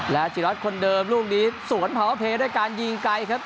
และจิรัตน์คนเดิมลูกนี้สวนพาวเพย์ด้วยการยิงไกลครับ